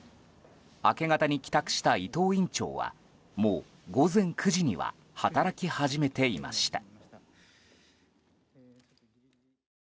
明け方に帰宅した伊藤院長はもう午前９時には働き始めていました。